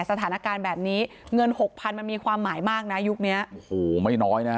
สถานการณ์แบบนี้เงินหกพันมันมีความหมายมากนะยุคนี้โอ้โหไม่น้อยนะฮะ